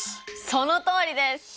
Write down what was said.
そのとおりです！